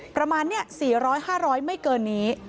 ประมาณนี้๔๐๐๕๐๐ไม่เกินนี้